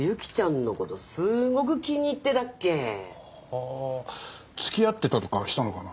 あ付き合ってたとかしたのかな？